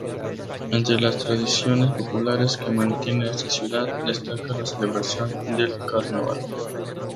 Entre las tradiciones populares que mantiene esta ciudad, destaca la celebración del Carnaval.